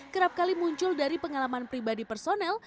kerap kali muncul dari pengalaman pribadi personel